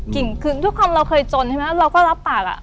ทุกคนเราเคยจนใช่ไหมเราก็รับปากอ่ะ